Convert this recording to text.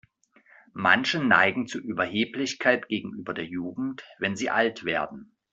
Manche neigen zu Überheblichkeit gegenüber der Jugend, wenn sie alt werden.